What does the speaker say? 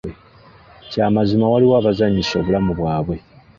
Kya mazima waliwo abazannyisa obulamu bwabwe.